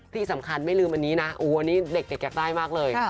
ที่สำคัญไม่ลืมอันนี้นะอันนี้เด็กอยากได้มากเลย